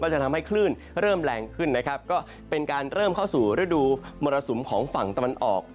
จะทำให้คลื่นเริ่มแรงขึ้นนะครับก็เป็นการเริ่มเข้าสู่ฤดูมรสุมของฝั่งตะวันออก